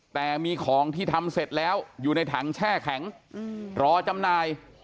แต่มีของที่ทำเสร็จแล้วอยู่ในถังแช่แข็งรอจำหน่าย